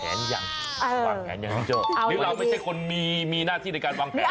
เออรู้เราไม่ใช่คนมีน่าที่ในการวางแผล